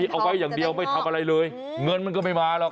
เอาไว้อย่างเดียวไม่ทำอะไรเลยเงินมันก็ไม่มาหรอก